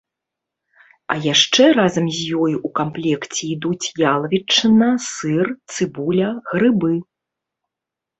А яшчэ разам з ёй у камплекце ідуць ялавічына, сыр, цыбуля, грыбы.